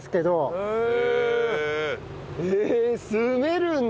へえ。